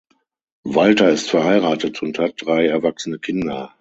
Walter ist verheiratet und hat drei erwachsene Kinder.